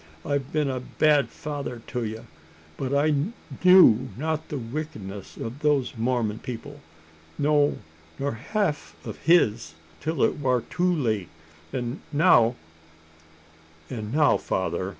I've been a bad father to ye; but I knew not the wickedness o' these Mormon people. No nor half o' his, till it war too late; an' now " "And now, father!"